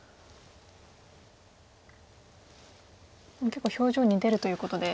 結構表情に出るということで。